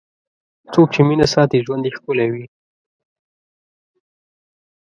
څوک چې مینه ساتي، ژوند یې ښکلی وي.